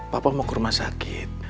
papa mau ke rumah sakit